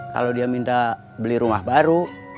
kalau dia minta beli rumah baru